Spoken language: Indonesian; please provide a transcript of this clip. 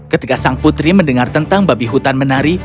ketika sang putri mendengar tentang babi hutan menari